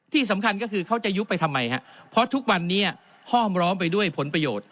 ที่สำคัญก็คือเขาจะยุบไปทำไมฮะเพราะทุกวันนี้ห้อมล้อมไปด้วยผลประโยชน์